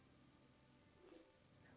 một cảm xúc của tất cả mọi người